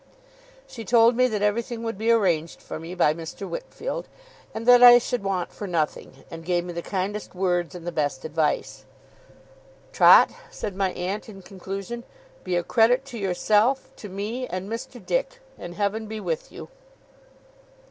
She told me that everything would be arranged for me by Mr. Wickfield, and that I should want for nothing, and gave me the kindest words and the best advice. 'Trot,' said my aunt in conclusion, 'be a credit to yourself, to me, and Mr. Dick, and Heaven be with you!